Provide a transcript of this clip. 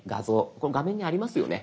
これ画面にありますよね？